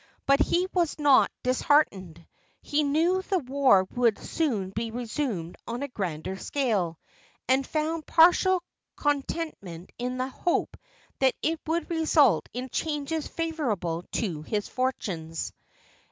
But he was not disheartened. He knew the war would soon be resumed on a grander scale, and found partial contentment in the hope that it would result in changes favorable to his fortunes.